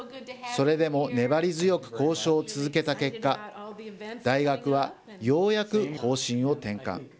それでも粘り強く交渉を続けた結果、大学は、ようやく方針を転換。